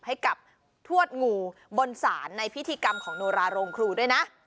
ให้กับทวดงูบนศาลในพิธีกรรมของโนราโรงครูด้วยนะ